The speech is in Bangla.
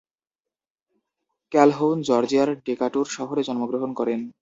ক্যালহৌন জর্জিয়ার ডেকাটুর শহরে জন্মগ্রহণ করেন।